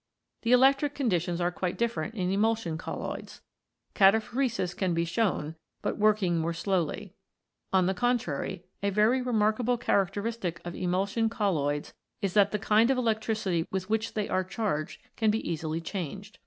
The electric conditions are quite different in emulsion colloids. Cataphoresis can be shown, but working more slowly. On the contrary, a very remarkable characteristic of emulsion colloids is that the kind of electricity with which they are charged can be easily changed.